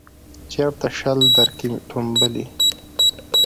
چیرته شل درکښې ټومبلی